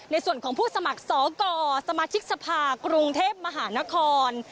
ในส่วนของผู้สมัครสกสมาชิกสภากรุงเทพมหานคร